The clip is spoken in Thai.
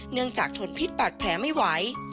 เนื่องจากทนพิษบาดแผลไม่ไหว